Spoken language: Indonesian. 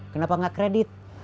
kenapa enggak kredit